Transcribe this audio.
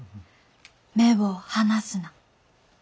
目を離すな。